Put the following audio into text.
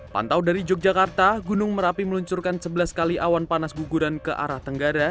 pantau dari yogyakarta gunung merapi meluncurkan sebelas kali awan panas guguran ke arah tenggara